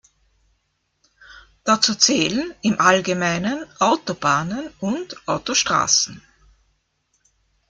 Dazu zählen im Allgemeinen Autobahnen und Autostraßen.